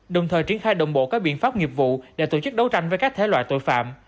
đồng thời triển khai đồng bộ các biện pháp nghiệp vụ để tổ chức đấu tranh với các thể loại tội phạm